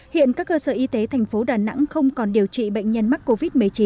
hiện các cơ sở y tế thành phố đà nẵng không còn điều trị bệnh nhân mắc covid một mươi chín